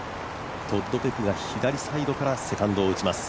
トッド・ペクが左サイドからセカンドを打ちます。